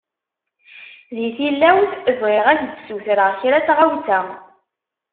Di tilawt, bɣiɣ ad k-d-ssutreɣ kra n tɣawsa.